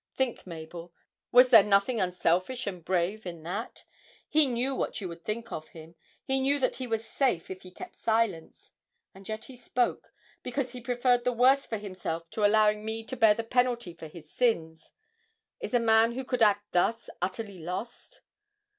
Think, Mabel, was there nothing unselfish and brave in that? He knew what you would think of him, he knew that he was safe if he kept silence and yet he spoke, because he preferred the worst for himself to allowing me to bear the penalty for his sins. Is a man who could act thus utterly lost?'